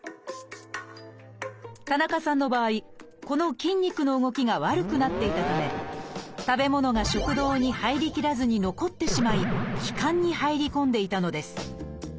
田中さんの場合この筋肉の動きが悪くなっていたため食べ物が食道に入りきらずに残ってしまい気管に入り込んでいたのです。